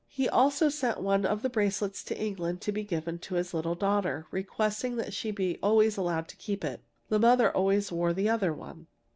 He also sent one of the bracelets to England to be given to his little daughter, requesting that she be always allowed to keep it. The mother always wore the other one.